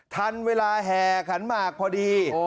ทันเวลาแห่ขันหมากพอดี